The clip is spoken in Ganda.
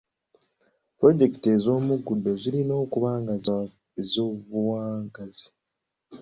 Pulojekiti ez'omugundu zirina okuba ez'obuwangaazi.